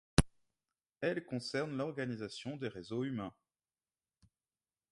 Elle concerne l'organisation des réseaux humains.